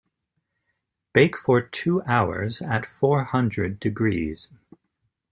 Bake for two hours at four hundred degrees.